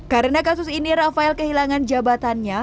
karena kasus ini rafael kehilangan jabatannya